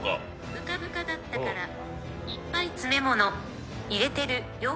ブカブカだったからいっぱい詰め物入れてるよ。